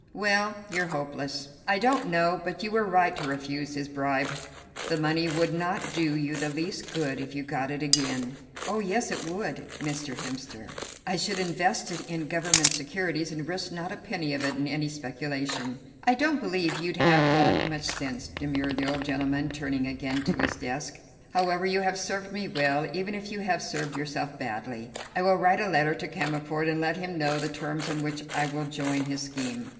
"Well, you're hopeless! I don't know but you were right to refuse his bribe. The money would not do you the least good if you got it again." "Oh, yes, it would, Mr. Hemster. I should invest it in Government securities, and risk not a penny of it in any speculation." "I don't believe you'd have that much sense," demurred the old gentleman, turning again to his desk. "However, you have served me well, even if you have served yourself badly. I will write a letter to Cammerford and let him know the terms on which I will join his scheme."